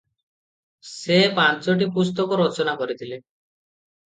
ସେ ପାଞ୍ଚଟି ପୁସ୍ତକ ରଚନା କରିଥିଲେ ।